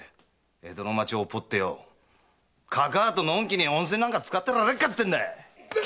江戸の町をほっぽってかかあとのんきに温泉なんかつかってられっかってんだ。